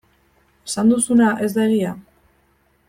Esan duzuna ez da egia?